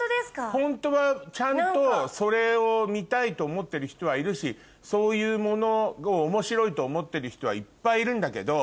ホントはちゃんとそれを見たいと思ってる人はいるしそういうものを面白いと思ってる人はいっぱいいるんだけど。